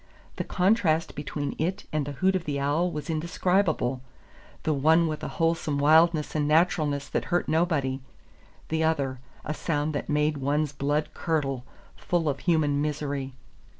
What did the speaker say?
The contrast between it and the hoot of the owl was indescribable, the one with a wholesome wildness and naturalness that hurt nobody; the other, a sound that made one's blood curdle, full of human misery.